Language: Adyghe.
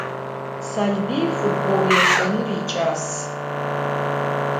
Salbıy futbol yêş'enır yiç'as.